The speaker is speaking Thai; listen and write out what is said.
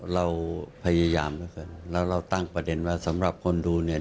เราพยายามแล้วกันแล้วเราตั้งประเด็นว่าสำหรับคนดูเนี่ย